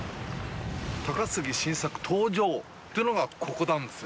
高杉晋作、登場というのが、ここなんですよ。